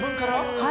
はい。